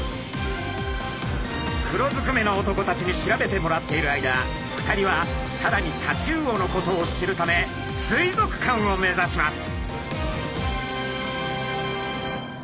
黒ずくめの男たちに調べてもらっている間２人はさらにタチウオのことを知るため水族館を目指します。